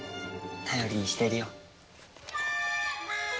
頼りにしているよ。